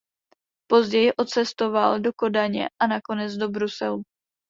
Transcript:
Později odcestoval do Kodaně a nakonec do Bruselu.